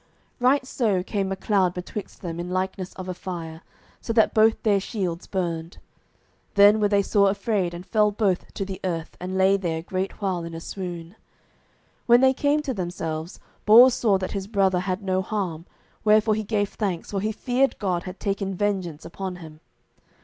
Right so came a cloud betwixt them in likeness of a fire, so that both their shields burned. Then were they sore afraid, and fell both to the earth, and lay there a great while in a swoon. When they came to themselves, Bors saw that his brother had no harm, wherefore he gave thanks, for he feared God had taken vengeance upon him.